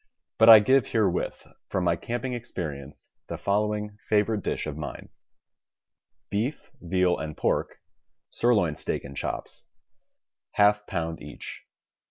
But I give herewith, from my camping experi ence, the following favorite dish of mine: Beef, veal, and pork (sirloin steak and chops), J^ pound each.